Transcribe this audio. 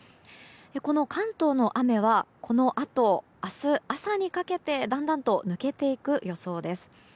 この関東の雨はこのあと明日朝にかけてだんだんと抜けていく予想です。